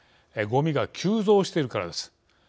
ごみが急増しているからです。